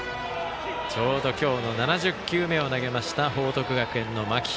ちょうど今日の７０球目を投げました報徳学園の間木。